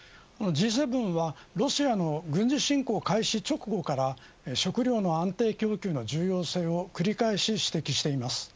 Ｇ７はロシアの軍事侵攻開始直後から食料の安定供給の重要性を繰り返し指摘しています。